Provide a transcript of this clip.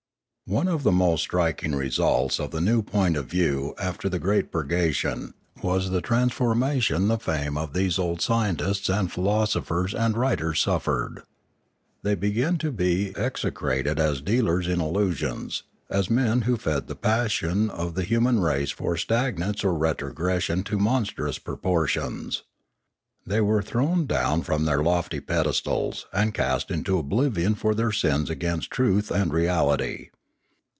One of the most striking results of the new point of view after the great purgation was the transformation the fame of these old scientists and philosophers and writers suffered. They began to be execrated as dealers in illusions, as men who fed the passion of the human race for stagnance or retrogression to monstrous proportions. They were thrown down from their lofty pedestals, and cast into oblivion for their sins against truth and reality.